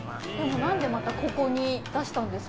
何でまたここに出したんですか。